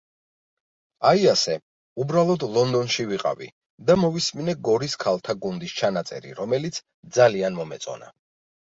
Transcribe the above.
აი, ასე, უბრალოდ, ლონდონში ვიყავი და მოვისმინე გორის ქალთა გუნდის ჩანაწერი, რომელიც ძალიან მომეწონა.